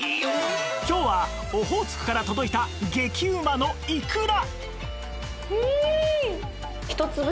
今日はオホーツクから届いた激ウマのいくら！